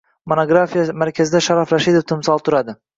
Monografiya markazida Sharof Rashidov timsoli turadi